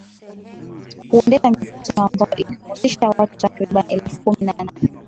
Kuendesha mikutano ambayo ilihusisha watu takribani elfu kumi na nane